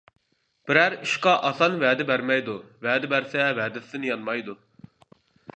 بىرەر ئىشقا ئاسان ۋەدە بەرمەيدۇ، ۋەدە بەرسە ۋەدىسىدىن يانمايدۇ.